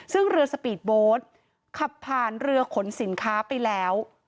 ซึ่งเรือสปีดโบสต์ขับผ่านเรือขนสินค้าไปแล้ว